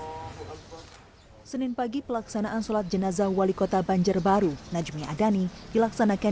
hai sening pagi pelaksanaan sholat jenazah wali kota banjarbaru najmi adani dilaksanakan